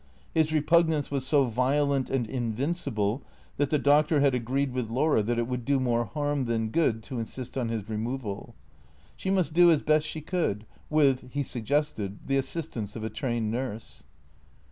His repugnance was so vio lent and invincible that the Doctor had agreed with Laura that it would do more harm than good to insist on his removal. She must do as best she could, with (he suggested) the assistance of a trained nurse.